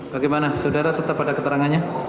bagaimana saudara tetap ada keterangannya